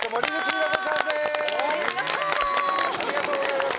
伊達：ありがとうございました。